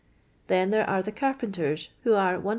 Then there are the carpenters, who are 163.